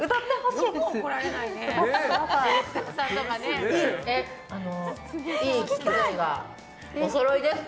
いい機械がおそろいですか？